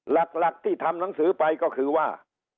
หลักที่ทำหนังสือไปก็คือว่า